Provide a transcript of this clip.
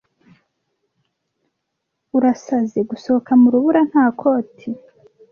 Urasaze gusohoka mu rubura nta koti.